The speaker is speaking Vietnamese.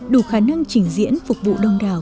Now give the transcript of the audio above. đủ khả năng trình diễn phục vụ đông đào